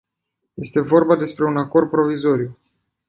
Este vorba despre un acord provizoriu.